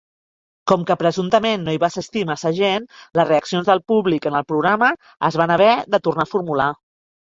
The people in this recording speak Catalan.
Com que presumptament no hi va assistir massa gent, les reaccions del públic en el programa es van haver de tornar a formular.